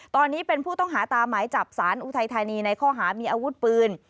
ตอนนี้เป็นผู้ต้องหาตามหมายจับสารอุทัยธานีในข้อหามีอาวุธปืน